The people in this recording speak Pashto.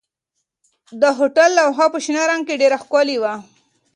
د هوټل لوحه په شنه رنګ کې ډېره ښکلې وه.